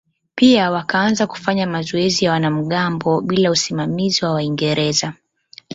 Pia wakaanza kufanya mazoezi ya wanamgambo bila usimamizi wa Waingereza.